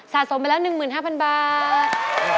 สมไปแล้ว๑๕๐๐๐บาท